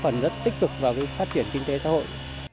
phản ứng rất tích cực vào phát triển kinh tế xã hội